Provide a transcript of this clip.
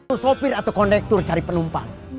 bantu sopir atau kondektur cari penumpang